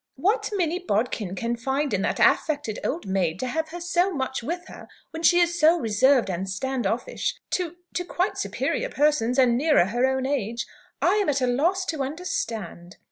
"What Minnie Bodkin can find in that affected old maid, to have her so much with her when she is so reserved and stand offish to to quite superior persons, and nearer her own age, I am at a loss to understand!"